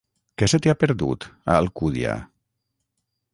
Què se t'hi ha perdut, a Alcúdia?